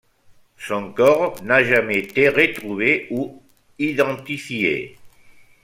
Son corps n'a jamais été retrouvé ou identifié.